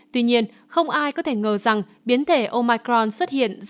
tuy nhiên không ai có thể ngờ rằng biến thể omicron xuất hiện